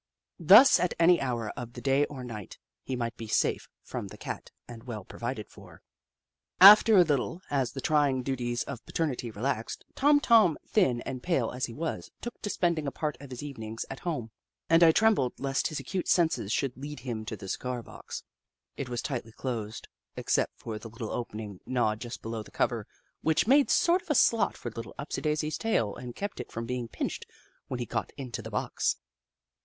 Thus, at any hour of the day or night, he might be safe from the Cat and well provided for. After a little, as the trying duties of paternity relaxed, Tom Tom, thin and pale as he was, took to spending a part of his evenings at home, and I trembled lest his acute senses should lead him to the cigar box. It was tightly closed, except for the little opening gnawed just below the cover, which made sort of a slot for Little Upsidaisi's tail and kept it from being pinched when he got into the box.